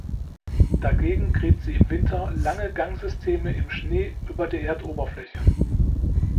Dagegen gräbt sie im Winter lange Gangsysteme im Schnee über der Erdoberfläche.